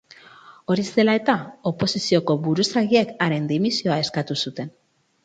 Hori zela-eta, oposizioko buruzagiek haren dimisioa eskatu zuten.